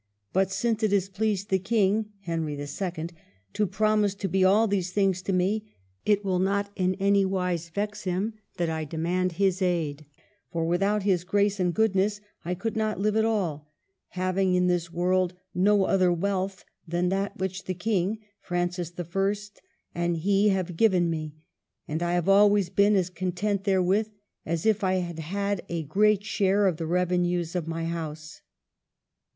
But since it has pleased the King (Henry II.) to promise to be all these things to me, it will not in any wise vex him that I demand his aid ; for without his grace and goodness I could not live at all, having in this world no other wealth than that which the King (Francis I.) and he have given me ; and I have always been as content therewith as if I had had a great share of the revenues of my House."